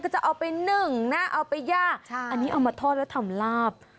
จะเอาไปหนึ่งนะเอาไปย่าอันนี้เอามาทอดแล้วทำลาบ